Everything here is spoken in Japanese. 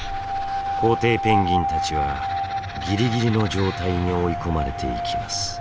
コウテイペンギンたちはギリギリの状態に追い込まれていきます。